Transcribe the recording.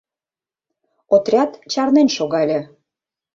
Отряд чарнен шогале.